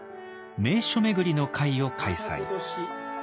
「名所巡りの会」を開催。